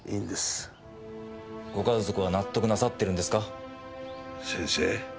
ご家族は納得なさってるんで先生